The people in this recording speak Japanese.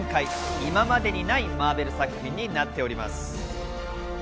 今までにないマーベル作品になっています。